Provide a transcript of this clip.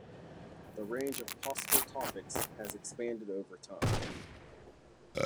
The range of possible topics has expanded over time.